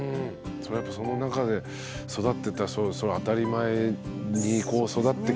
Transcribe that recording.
それはやっぱその中で育ってたらそれ当たり前に育ってきますよね